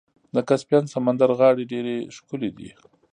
د کسپین سمندر غاړې ډیرې ښکلې دي.